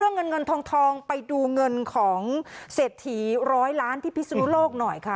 เงินเงินทองไปดูเงินของเศรษฐีร้อยล้านที่พิศนุโลกหน่อยค่ะ